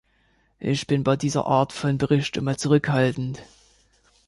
Ich bin bei dieser Art von Bericht immer zurückhaltend.